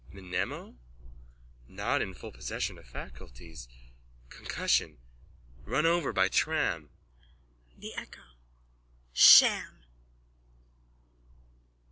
Mnemo? Not in full possession of faculties. Concussion. Run over by tram. THE ECHO: Sham!